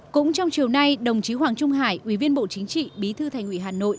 cũng trong chiều nay đồng chí hoàng trung hải ủy viên bộ chính trị bí thư thành ủy hà nội